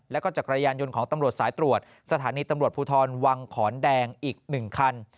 แล้วก็จักรยานยนต์ของตำรวจสายตรวจสถานีตำรวจภูทรวังขอนแดงอีก๑คัน